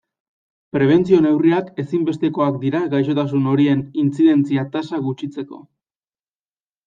Prebentzio neurriak ezinbestekoak dira gaixotasun horien intzidentzia-tasa gutxitzeko.